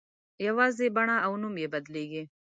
یوازې بڼه او نوم یې بدلېږي.